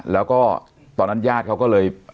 แล้วก็ตอนนั้นญาติเขาก็เลย